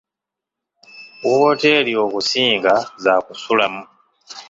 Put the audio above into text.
Wooteeri okusinga za kusulamu.